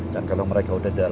dan kalau mereka sudah